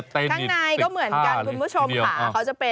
ไซส์ลำไย